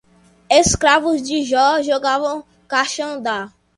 Escravos de Jó jogavam caxangá